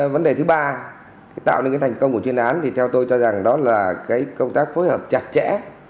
vấn đề thứ ba tạo nên cái thành công của chuyên án thì theo tôi cho rằng đó là công tác phối hợp chặt chẽ